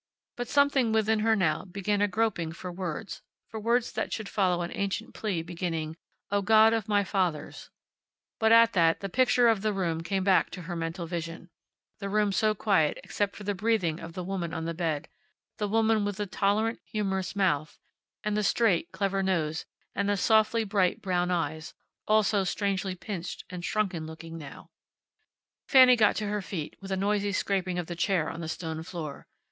But something within her now began a groping for words; for words that should follow an ancient plea beginning, "O God of my Fathers " But at that the picture of the room came back to her mental vision the room so quiet except for the breathing of the woman on the bed; the woman with the tolerant, humorous mouth, and the straight, clever nose, and the softly bright brown eyes, all so strangely pinched and shrunken looking now Fanny got to her feet, with a noisy scraping of the chair on the stone floor.